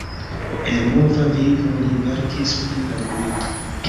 En nova vivo li verkis pri la milito.